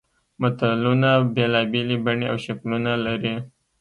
متلونه بېلابېلې بڼې او شکلونه لري